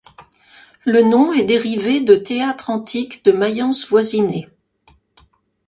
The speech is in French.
Le nom est dérivé de théâtre antique de Mayence voisiner.